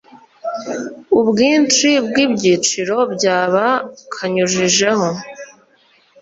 ubwinshi bw Ibyiciro.byaba kanyujijeho